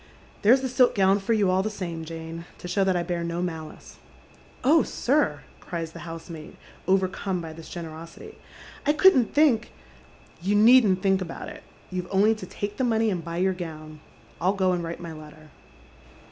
There's the silk gown for you all the same, Jane, to show that I bear no malice." " Oh, sir !" cries the housemaid, overcome by this generosity, "Icouldn'think "" You needn't think about it. You've only to take the money and buy your gown. I'll go and write my letter."